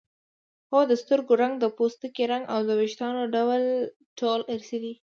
هو د سترګو رنګ د پوستکي رنګ او د وېښتانو ډول ټول ارثي دي